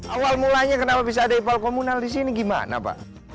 awal mulanya kenapa bisa ada ipal komunal di sini gimana pak